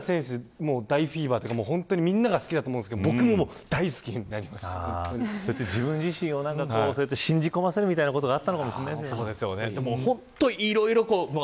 丸田選手、大フィーバーというかみんなが好きだと思うんですけど自分自身を信じ込ませるみたいなところがあったのかもしれませんね。